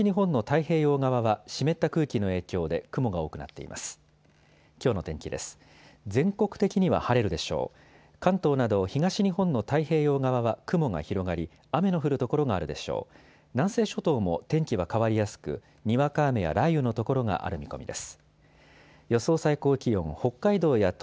南西諸島も天気は変わりやすくにわか雨や雷雨の所がある見込みです。